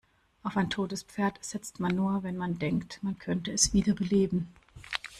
Auf ein totes Pferd setzt man nur, wenn man denkt, man könne es wiederbeleben.